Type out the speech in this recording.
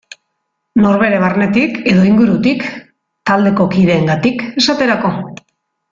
Norbere barnetik edo ingurutik, taldeko kideengatik esaterako.